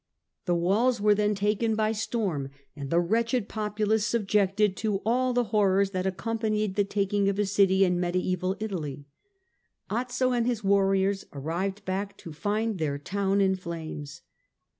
The walls were then taken by storm and the wretched populace subjected to all the horrors that accompanied the taking of a city in mediaeval Italy. Azzo and his warriors arrived back to find their town in flames.